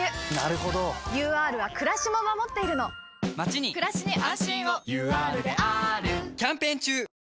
ＵＲはくらしも守っているのまちにくらしに安心をＵＲであーるキャンペーン中！